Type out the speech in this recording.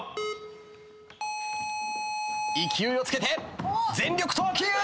勢いをつけて全力投球！